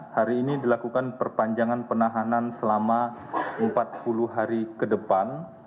hari ini dilakukan perpanjangan penahanan selama empat puluh hari ke depan